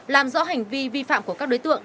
làm rõ hành vi vi phạm của các đối tượng